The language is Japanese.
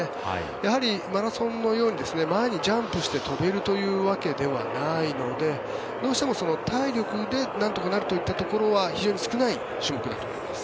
やはり、マラソンのように前にジャンプして跳べるというわけではないのでどうしても体力でなんとかなるといったところは非常に少ない種目だと思います。